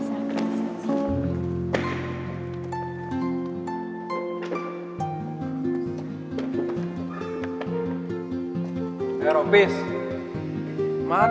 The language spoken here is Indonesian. selamat siang anak anak